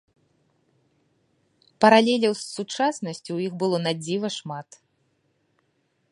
Паралеляў з сучаснасцю ў іх было надзіва шмат.